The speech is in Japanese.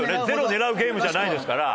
０を狙うゲームじゃないですから。